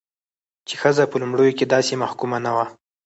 چې ښځه په لومړيو کې داسې محکومه نه وه،